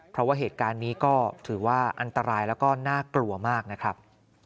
เพราะว่าเหตุการณ์นี้ก็ถือว่าอันตรายแล้วก็น่ากลัวมากนะครับ